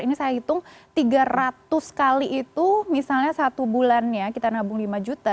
ini saya hitung tiga ratus kali itu misalnya satu bulannya kita nabung lima juta